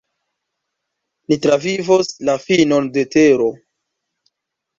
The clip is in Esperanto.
"Ni travivos la finon de tero."